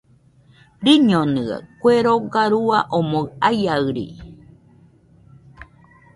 Rɨñonɨaɨ, kue roga rua omoɨ aiaɨri.